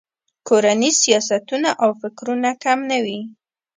کورني سیاستونه او فکرونه کم نه وي.